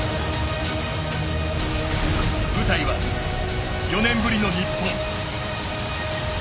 舞台は４年ぶりの日本。